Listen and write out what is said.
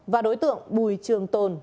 và đối tượng bùi trường tồn